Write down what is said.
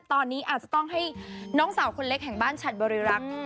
ตอนนี้อาจจะต้องให้น้องสาวคนเล็กแห่งบ้านฉัดบริรักษ์